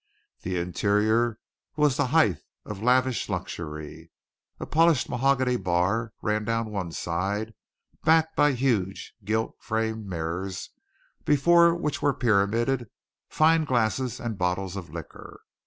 The interior was the height of lavish luxury. A polished mahogany bar ran down one side, backed by huge gilt framed mirrors before which were pyramided fine glasses and bottles of liquor.